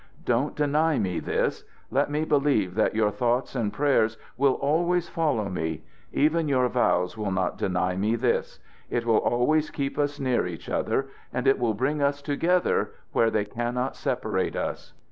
Don't deny me this! Let me believe that your thoughts and prayers will always follow me. Even your vows will not deny me this! It will always keep us near each other, and it will bring us together where they cannot separate us."